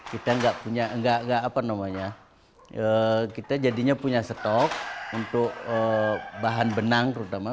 kita jadinya punya stok untuk bahan benang terutama